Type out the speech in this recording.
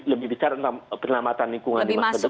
lebih besar perlambatan lingkungan di masa depan